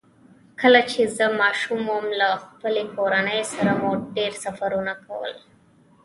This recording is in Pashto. کله چې زه ماشوم وم، له خپلې کورنۍ سره مو ډېر سفرونه کول.